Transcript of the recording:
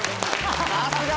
さすが！